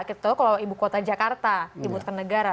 kalau ibu kota jakarta dibutuhkan negara